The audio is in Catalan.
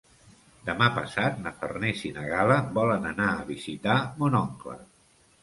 Demà passat na Farners i na Gal·la volen anar a visitar mon oncle.